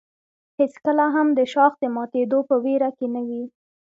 هېڅکله هم د شاخ د ماتېدو په ویره کې نه وي.